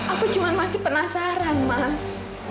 aku cuma masih penasaran mas